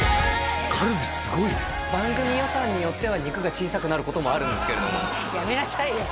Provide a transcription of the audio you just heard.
カルビすごいね番組予算によっては肉が小さくなることもあるんですけれどもやめなさいよ